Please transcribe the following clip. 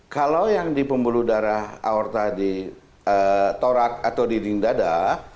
kalau yang di pembuluh darah aorta di torak atau dinding dada